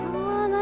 何？